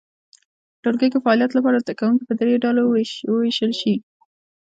په ټولګي کې فعالیت لپاره زده کوونکي په درې ډلو وویشل شي.